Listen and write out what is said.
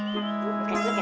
buka buka buka